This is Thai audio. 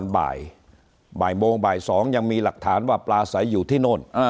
บ่ายโมงบ่าย๒ยังมีหลักฐานว่าปลาใสอยู่ที่โน่น